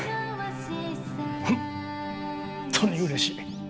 本当にうれしい。